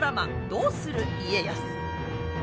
「どうする家康」。